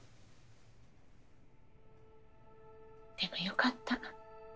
でもよかった。